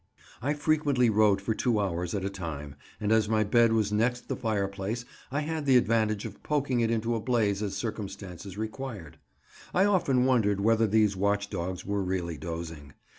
I frequently wrote for two hours at a time, and as my bed was next the fire place I had the advantage of poking it into a blaze as circumstances required. I often wondered whether these watch dogs were really dozing.